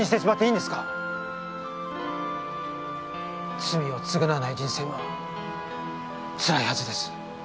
罪を償わない人生はつらいはずです。